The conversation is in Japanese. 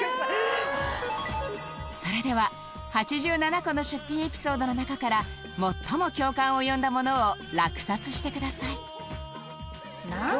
それでは８７個の出品エピソードの中から最も共感を呼んだものを落札してください